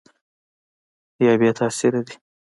یا بې تاثیره دي ؟